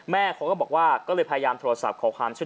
เขาก็บอกว่าก็เลยพยายามโทรศัพท์ขอความช่วย